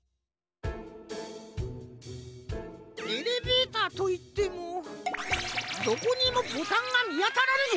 エレベーターといってもどこにもボタンがみあたらんぞ。